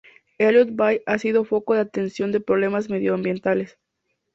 Elliott Bay ha sido foco de atención de problemas medioambientales.